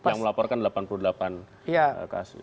yang melaporkan delapan puluh delapan kasus